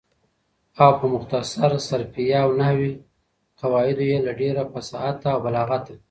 او په مختصر صرفیه او نحویه قواعدو یې له ډېره فصاحته او بلاغته